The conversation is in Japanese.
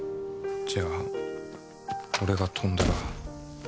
じゃあ俺が跳んだら。